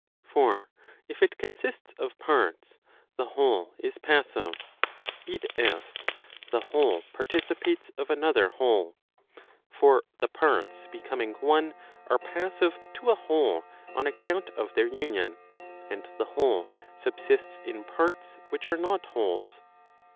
For if it consists of parts, the whole is passive [i. e. the whole partici¬ pates of another whole]. For the parts becoming one, are passive to a whole on account of their union, and the whole subsists in parts which are not wholes.